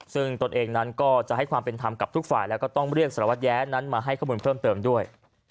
ซึ่งตนเองนั้นก็จะให้ความเป็นธรรมกับทุกฝ่ายแล้วก็ต้องเรียกสารวัตรแย้นั้นมาให้ข้อมูลเพิ่มเติมด้วย